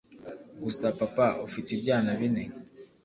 gusa papa, ufite ibyana bine,